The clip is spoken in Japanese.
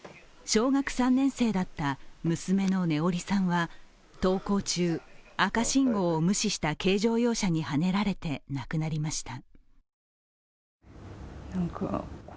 小学３年生だった娘の音織さんは登校中、赤信号を無視した軽乗用車にはねられて亡くなりました。